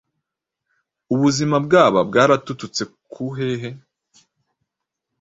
ubuzima bwaba bwaratututse ku hehe